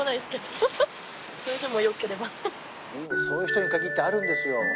そういう人に限ってあるんですよ。